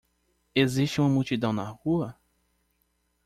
Existe uma multidão na rua?